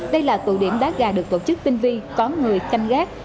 đây là tụ điểm đá gà được tổ chức tinh vi có người chăm gác